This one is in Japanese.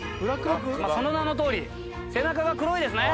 その名のとおり、背中が黒いですね。